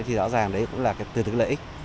thì rõ ràng đấy cũng là từ thực lợi ích